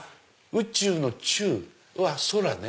宇宙の宙は「そら」ね。